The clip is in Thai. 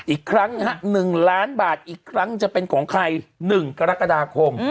อีกครั้ง๑ล้านบาทอีกครั้งจะเป็นของใคร๑กรกฎาคม